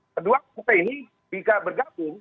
kedua partai ini bisa bergabung